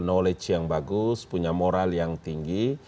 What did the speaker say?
dan juga memiliki knowledge yang bagus punya moral yang tinggi